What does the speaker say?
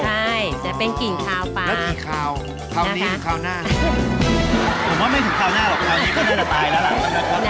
ใช่จะเป็นกลิ่นขาวปลาแล้วกี่ขาวขาวนี้หรือขาวหน้าผมว่าไม่ถึงขาวหน้าหรอกขาวนี้ก็น่าจะตายละลาย